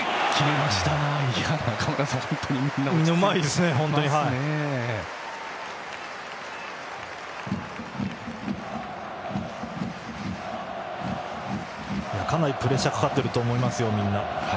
みんな、かなりプレッシャーかかっていると思いますよ。